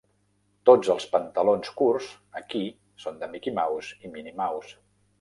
Tots els pantalons curts aquí són de Mickey Mouse i Minnie Mouse.